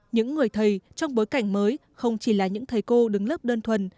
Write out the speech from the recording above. những người thầy trong bối cảnh mới không chỉ là những thầy cô đứng lớp đơn thuần